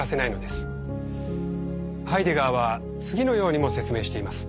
ハイデガーは次のようにも説明しています。